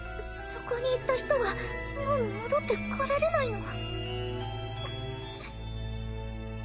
そこに行った人はもう戻ってこられないの？